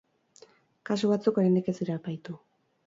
Kasu batzuk oraindik ez dira epaitu.